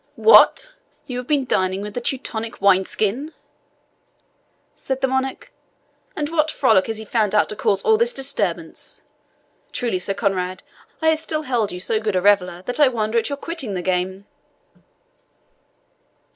"What! you have been dining with the Teutonic wine skin!" said the monarch. "And what frolic has he found out to cause all this disturbance? Truly, Sir Conrade, I have still held you so good a reveller that I wonder at your quitting the game."